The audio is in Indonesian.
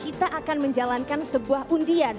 kita akan menjalankan sebuah undian